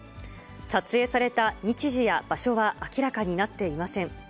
撮影された日時や場所は明らかになっていません。